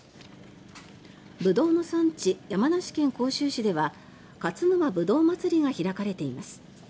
ブドウの産地、山梨県甲州市ではかつぬまぶどうまつりが開かれています。